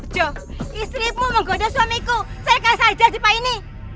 jo istrimu menggoda suamiku saya kasih ajar di pak ini